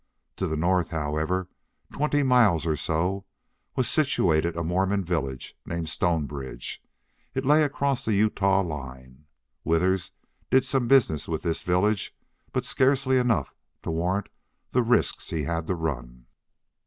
To the north, however, twenty miles or so, was situated a Mormon village named Stonebridge. It lay across the Utah line. Withers did some business with this village, but scarcely enough to warrant the risks he had to run.